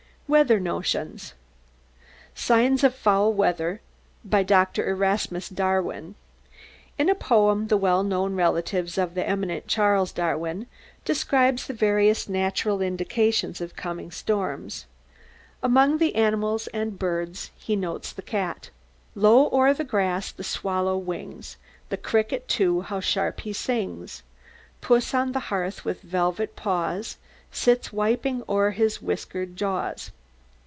WEATHER NOTIONS. "Signs of Foul Weather," by Dr. Erasmus Darwin. In a poem, the well known relative of the eminent Charles Darwin describes the various natural indications of coming storms. Among the animals and birds he notes the cat: Low o'er the grass the swallow wings; The cricket, too, how sharp he sings; Puss on the hearth, with velvet paws, Sits wiping o'er his whiskered jaws.